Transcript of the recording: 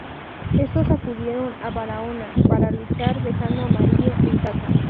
Estos acudieron a Barahona para luchar dejando a María en casa.